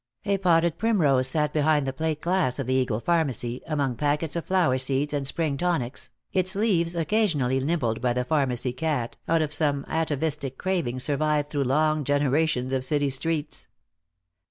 A potted primrose sat behind the plate glass of the Eagle Pharmacy, among packets of flower seeds and spring tonics, its leaves occasionally nibbled by the pharmacy cat, out of some atavistic craving survived through long generations of city streets.